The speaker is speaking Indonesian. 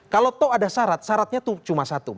kalau toh ada syarat syaratnya itu cuma satu